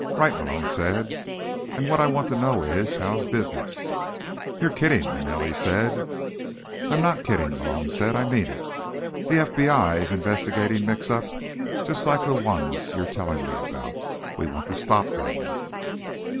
"Right," Malone said. "And what I want to know is: how's business?" "You're kidding?" Manelli said. "I'm not kidding," Malone said. "I mean it. The FBI's investigating mix ups just like the ones you're telling me about. We want to stop them."